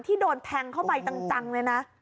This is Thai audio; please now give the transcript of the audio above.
โดนแทงเข้าไปจังเลยนะ